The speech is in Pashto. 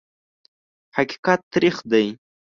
حقیقت تریخ دی .